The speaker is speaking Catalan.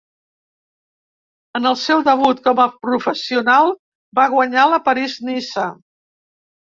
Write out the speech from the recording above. En el seu debut com a professional va guanyar la París-Niça.